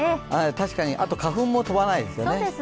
確かに、あと花粉も飛ばないですよね。